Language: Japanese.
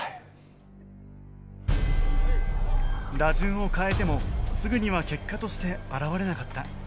打順を変えてもすぐには結果として表れなかった。